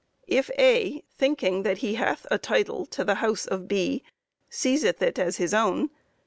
If A., thinking he hath a title to the house of B., seizeth it as his own